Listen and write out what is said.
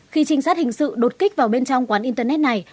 khi trinh sát hình sự đột kích vào bên trong quán internet này